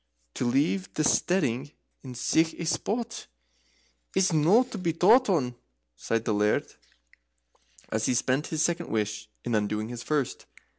"To leave the steading in sic a spot is no to be thought on," sighed the Laird, as he spent his second wish in undoing his first.